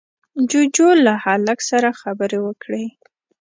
جُوجُو له هلک سره خبرې وکړې.